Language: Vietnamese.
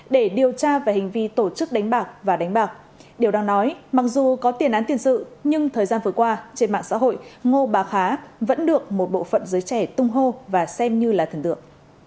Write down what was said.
để điều tra về hành vi tổ chức đánh bạc và đánh bạc điều đang nói mặc dù có tiền án tiền sự nhưng thời gian vừa qua trên mạng xã hội ngô bà khá vẫn được một bộ phận giới trẻ tung hô và xem như là thần tượng